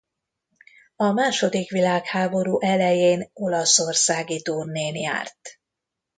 A második világháború elején olaszországi turnén járt.